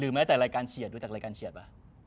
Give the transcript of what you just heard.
แม้แต่รายการเฉียดดูจากรายการเฉียดป่ะ